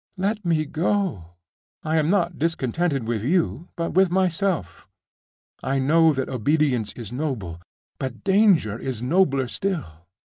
Let me go! I am not discontented with you, but with myself. I know that obedience is noble; but danger is nobler still.